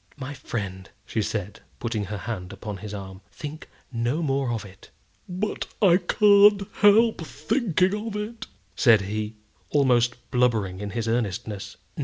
"My friend," she said, putting her hand upon his arm, "think no more of it." "But I can't help thinking of it," said he, almost blubbering in his earnestness.